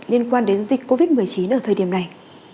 liên quan đến dịch covid một mươi chín ở thời điểm này